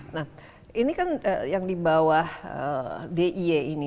nah ini kan yang di bawah d i e ini